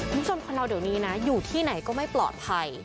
คุณผู้ชมคนเราเดี๋ยวนี้นะอยู่ที่ไหนก็ไม่ปลอดภัย